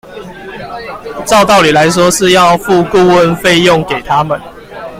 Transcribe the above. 照道理來說是要付顧問費用給他們